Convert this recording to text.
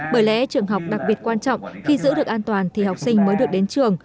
bởi lẽ trường học đặc biệt quan trọng khi giữ được an toàn thì học sinh mới được đến trường